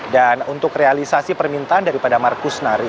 dan untuk realisasi permintaan daripada markus nari itu